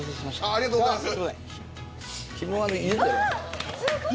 ありがとうございます。